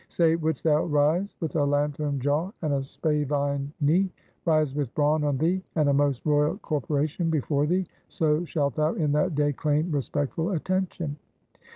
Say, wouldst thou rise with a lantern jaw and a spavined knee? Rise with brawn on thee, and a most royal corporation before thee; so shalt thou in that day claim respectful attention.